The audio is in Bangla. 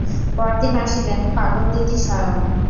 পরদিন আসিলেন পাগলদিদি স্বয়ং।